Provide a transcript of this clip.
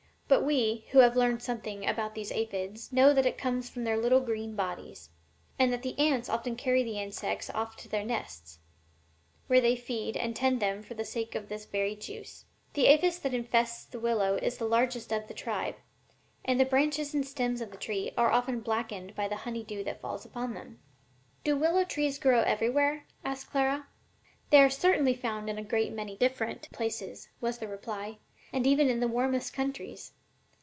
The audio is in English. But we, who have learned something about these aphides, know that it comes from their little green bodies, and that the ants often carry the insects off to their nests, where they feed and 'tend them for the sake of this very juice. The aphis that infests the willow is the largest of the tribe, and the branches and stems of the tree are often blackened by the honey dew that falls upon them." See Flyers and Crawlers, by the author. Presbyterian Board of Publication. "Do willow trees grow everywhere?" asked Clara. "They are certainly found in a great many different places," was the reply, "and even in the warmest countries.